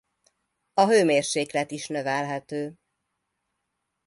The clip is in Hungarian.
A hőmérséklet is növelhető.